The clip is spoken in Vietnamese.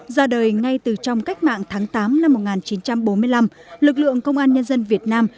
ra đời ngay từ trong cách mạng tháng tám năm một nghìn chín trăm bốn mươi năm lực lượng công an nhân dân việt nam